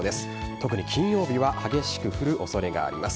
特に金曜日は激しく降る恐れがあります。